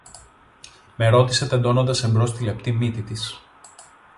με ρώτησε τεντώνοντας εμπρός τη λεπτή μύτη της.